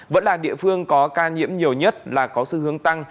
vẫn là địa phương có ca nhiễm nhiều nhất là có xu hướng tăng